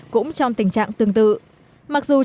cũng trong tình trạng tương tự